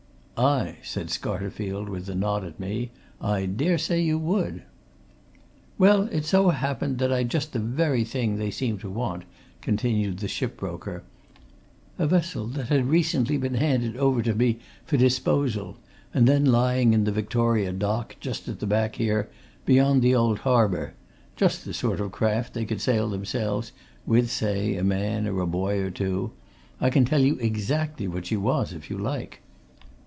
"Aye!" said Scarterfield, with a nod at me. "I dare say you would." "Well, it so happened that I'd just the very thing they seemed to want," continued the ship broker. "A vessel that had recently been handed over to me for disposal, and then lying in the Victoria Dock, just at the back here, beyond the old harbour: just the sort of craft that they could sail themselves, with say a man, or a boy or two I can tell you exactly what she was, if you like."